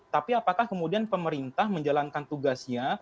tapi apakah kemudian pemerintah menjalankan tugasnya